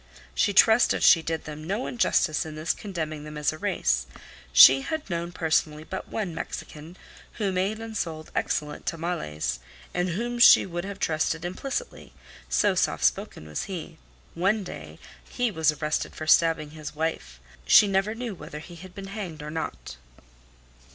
She trusted she did them no injustice in thus condemning them as a race. She had known personally but one Mexican, who made and sold excellent tamales, and whom she would have trusted implicitly, so soft spoken was he. One day he was arrested for stabbing his wife. She never knew whether he had been hanged or not.